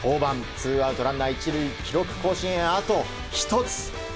ツーアウト、ランナー１塁記録更新へあと１つ。